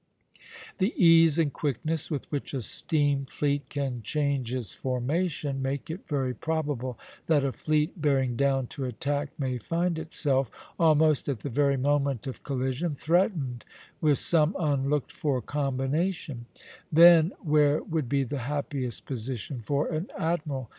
The ease and quickness with which a steam fleet can change its formation make it very probable that a fleet bearing down to attack may find itself, almost at the very moment of collision, threatened with some unlooked for combination; then where would be the happiest position for an admiral?